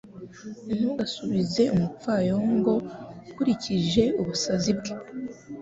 Ntugasubize umupfayongo ukurikije ubusazi bwe